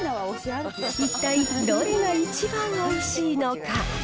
一体、どれが一番おいしいのか。